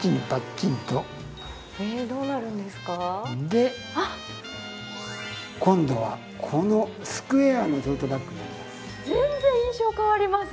で今度はこのスクエアのトートバッグになります。